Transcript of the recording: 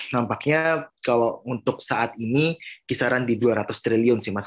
nampaknya kalau untuk saat ini kisaran di dua ratus triliun sih mas